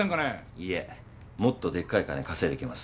いいえもっとでっかい金稼いできます。